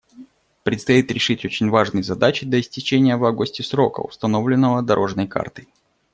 Предстоит решить очень важные задачи до истечения в августе срока, установленного «дорожной картой».